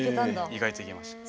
意外といけました。